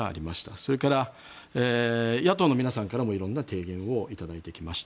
それから、野党の皆さんからも色んな提言を頂いてきました。